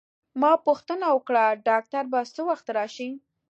ما پوښتنه وکړه: ډاکټر به څه وخت راشي؟